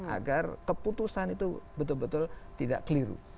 agar keputusan itu betul betul tidak keliru